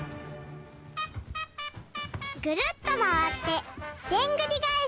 くるっとまわってでんぐりがえし。